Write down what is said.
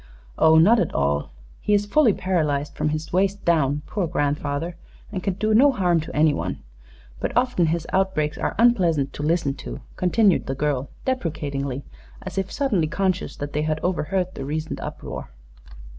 "Oh, not at all. He is fully paralyzed from his waist down, poor grandfather, and can do no harm to anyone. But often his outbreaks are unpleasant to listen to," continued the girl, deprecatingly, as if suddenly conscious that they had overheard the recent uproar.